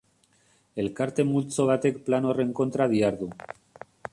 Elkarte multzo batek plan horren kontra dihardu.